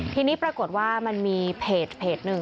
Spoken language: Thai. ทีนี้ปรากฏว่ามันมีเพจหนึ่ง